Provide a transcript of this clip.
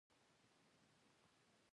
ډېر غمجن وو.